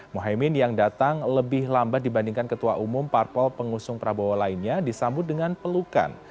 mohaimin yang datang lebih lambat dibandingkan ketua umum parpol pengusung prabowo lainnya disambut dengan pelukan